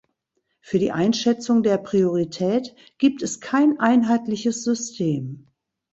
Für die Einschätzung der Priorität gibt es kein einheitliches System.